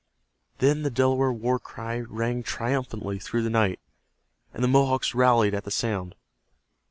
Then the Delaware war cry rang triumphantly through the night, and the Mohawks rallied at the sound.